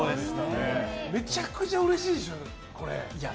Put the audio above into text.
めちゃくちゃうれしいでしょ？